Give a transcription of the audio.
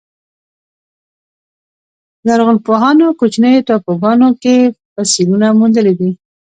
لرغونپوهانو کوچنیو ټاپوګانو کې فسیلونه موندلي دي.